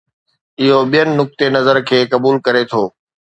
اهو ٻين نقطي نظر کي قبول ڪري ٿو.